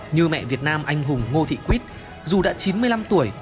như mẹ việt nam anh hùng ngô thị quýt dù đã chín mươi năm tuổi